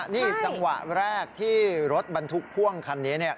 นี่จังหวะแรกที่รถบรรทุกพ่วงคันนี้เนี่ย